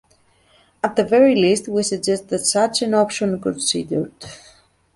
At the very least, we suggest that such an option considered.